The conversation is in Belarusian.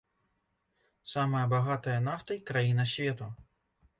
Самая багатая нафтай краіна свету.